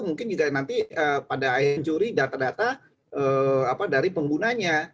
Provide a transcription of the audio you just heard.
mungkin juga nanti pada injury data data dari penggunanya